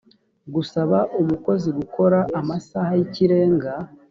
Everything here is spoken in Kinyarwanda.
gusaba umukozi gukora amasaha y ikirenga